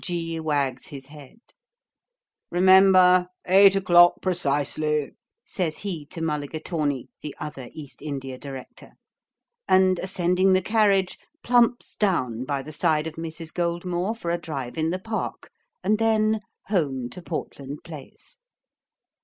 G. wags his head. 'Remember, eight o'clock precisely,' says he to Mulligatawney, the other East India Director; and, ascending the carriage, plumps down by the side of Mrs. Goldmore for a drive in the Park, and then home to Portland Place.